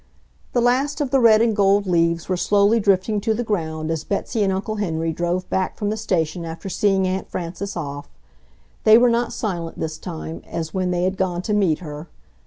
The last of the red and gold leaves were slowly drifting to the ground as Betsy and Uncle Henry drove back from the station after seeing Aunt Frances off. They were not silent this time, as when they had gone to meet her.